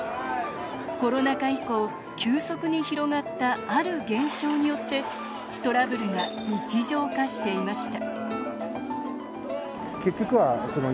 コロナ禍以降、急速に広がったある現象によってトラブルが日常化していました。